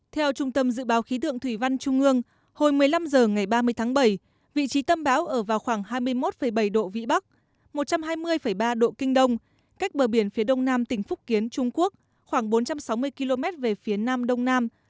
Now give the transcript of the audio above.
theo trung tâm dự báo khí tượng thủy văn trung ương hồi một mươi năm h ngày ba mươi tháng bảy vị trí tâm bão ở vào khoảng hai mươi một bảy độ vĩ bắc một trăm hai mươi ba độ kinh đông cách bờ biển phía đông nam tỉnh phúc kiến trung quốc khoảng bốn trăm sáu mươi km về phía nam đông nam